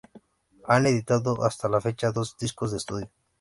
Han editado hasta la fecha dos discos de estudio.